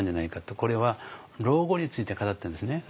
これは老後について語ってるんですね。